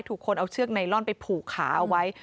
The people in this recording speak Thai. คนเอาเชือกไนลอนไปผูกขาเอาไว้